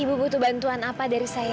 ibu butuh bantuan apa dari saya